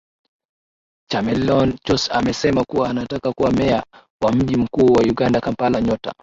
Chameleon Jose amesema kuwa anataka kuwa Meya wa mji mkuu wa Uganda Kampala Nyota